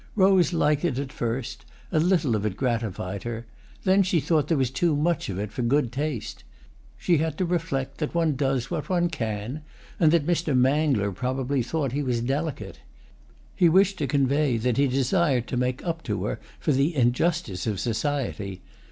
Rose liked it at first—a little of it gratified her; then she thought there was too much of it for good taste. She had to reflect that one does what one can and that Mr. Mangler probably thought he was delicate. He wished to convey that he desired to make up to her for the injustice of society.